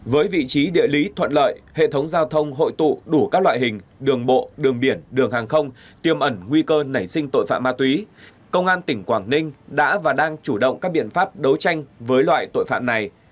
với vị trí địa lý thuận lợi hệ thống giao thông hội tụ đủ các loại hình đường bộ đường biển đường hàng không tiêm ẩn nguy cơ nảy sinh tội phạm ma túy công an tỉnh quảng ninh đã và đang chủ động các biện pháp đấu tranh với loại tội phạm này